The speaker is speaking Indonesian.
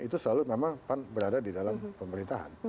itu selalu memang pan berada di dalam pemerintahan